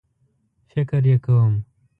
فکر یې کوم